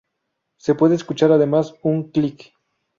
Se puede escuchar además un "clic".